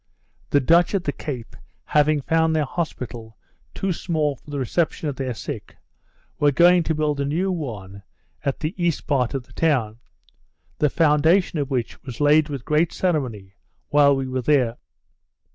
The Dutch at the Cape having found their hospital too small for the reception of their sick, were going to build a new one at the east part of the town; the foundation of which was laid with great ceremony while we were there.